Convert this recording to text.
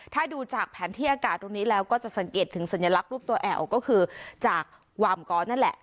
ถ้าดูจากแผนที่อากาศตรงนี้แล้วก็จะสังเกตถึงสัญลักษณ์รูปตัวแอ๋วก็คือจากวามก้อนนั่นแหละ